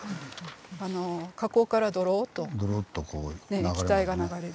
火口からドローッと液体が流れる。